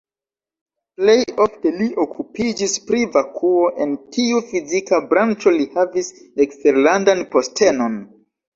Plej ofte li okupiĝis pri vakuo, en tiu fizika branĉo li havis eksterlandan postenon.